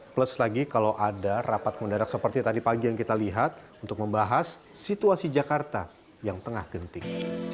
plus lagi kalau ada rapat mendadak seperti tadi pagi yang kita lihat untuk membahas situasi jakarta yang tengah genting